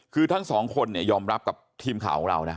คือทั้งสองคนเนี่ยยอมรับกับทีมข่าวของเรานะ